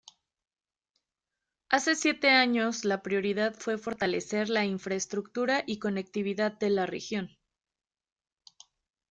Hace siete años la prioridad fue fortalecer la infraestructura y conectividad de la región.